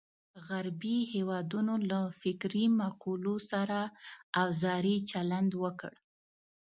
غربي هېوادونو له فکري مقولو سره اوزاري چلند وکړ.